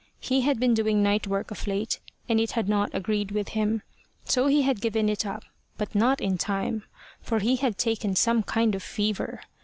He had been doing night work of late, and it had not agreed with him, so he had given it up, but not in time, for he had taken some kind of fever.